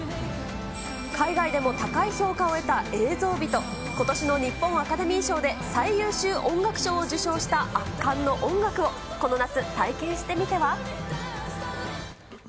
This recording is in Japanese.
海外でも高い評価を得た映像美と、ことしの日本アカデミー賞で最優秀音楽賞を受賞した圧巻の音楽を、この夏体験してみては。